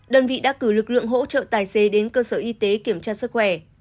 đơn vị đã cử lực lượng hỗ trợ tài xế đến cơ sở y tế kiểm tra sức khỏe